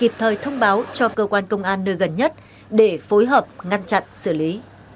một lời thông báo cho cơ quan công an nơi gần nhất để phối hợp ngăn chặn xử lý